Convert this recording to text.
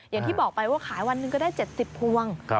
อย่างที่บอกไปว่าขายวันหนึ่งก็ได้๗๐พวง